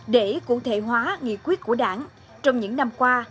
để cụ thể hóa nghị quyết của đảng trong những năm qua